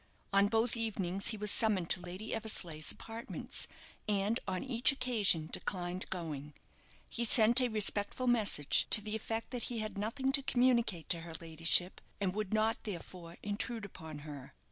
On both evenings he was summoned to Lady Eversleigh's apartments, and on each occasion declined going. He sent a respectful message, to the effect that he had nothing to communicate to her ladyship, and would not therefore intrude upon her.